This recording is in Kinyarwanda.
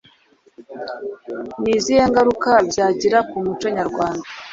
Ni izihe ngaruka byagira ku muco nyarwanda